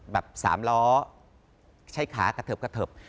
แบบ๓ล้อใช้ขากระเทิบ